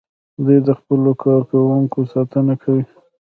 دوی د خپلو کارکوونکو ساتنه کوي.